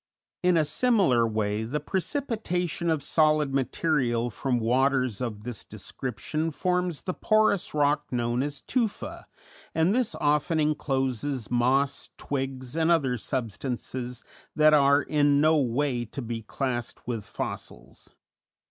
In a similar way the precipitation of solid material from waters of this description forms the porous rock known as tufa, and this often encloses moss, twigs, and other substances that are in no way to be classed with fossils.